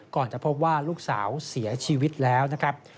ก่อนจะพบว่าลูกสาวเสียชีวิตแล้วนะครับ